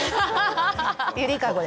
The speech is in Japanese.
揺りかごで。